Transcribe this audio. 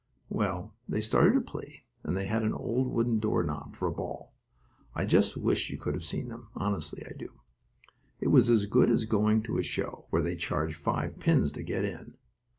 Well, they started to play, and they had an old wooden door knob for a ball. I just wish you could have seen them, honestly I do. It was as good as going to a show, where they charge five pins to get in.